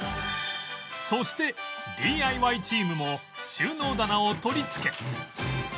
そして ＤＩＹ チームも収納棚を取り付け